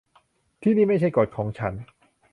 ที่นี่ไม่ใช่กฎของฉัน